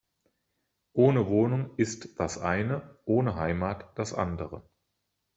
Ohne Wohnung ist das eine, ohne Heimat das andere.